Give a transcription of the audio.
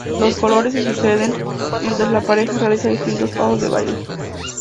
Los colores se suceden, mientras la pareja realiza distintos pasos de baile.